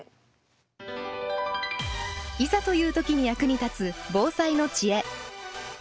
いざという時に役に立つ防災の知恵。